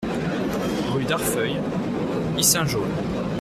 Rue d'Arfeuil, Yssingeaux